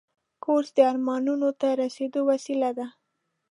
کورس د ارمانونو ته رسیدو وسیله ده.